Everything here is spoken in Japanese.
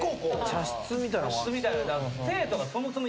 茶室みたいな。